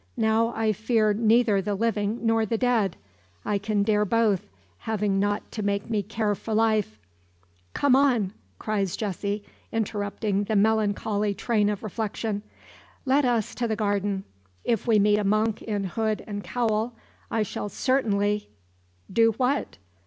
Now I fear neither the living nor the dead. I can dare both, having nought to make me care for life " "Come on!" cries Jessie, interrupting the melancholy train of reflection, "Let us to the garden. If we meet a monk in hood and cowl, I shall certainly " "Do what?"